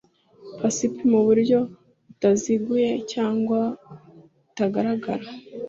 psp mu buryo butaziguye cyangwa butagaragara